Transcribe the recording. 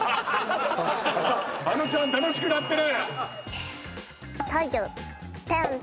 あのちゃん楽しくなってる！